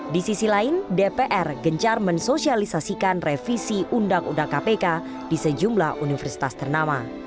di sisi lain dpr gencar mensosialisasikan revisi undang undang kpk di sejumlah universitas ternama